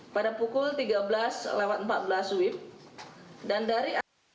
pada pukul tiga belas empat belas wib